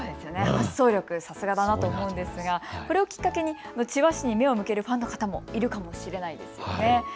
発想力、さすがだなと思うのですがこれをきっかけに千葉市に目を向けるファンの方もいらっしゃるかもしれないですね。